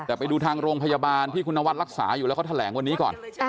แต่ไปดูทางโรงพยาบาลที่คุณนวัดรักษาอยู่แล้วเขาแถลงวันนี้ก่อน